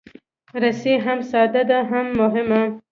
رسۍ هم ساده ده، هم مهمه.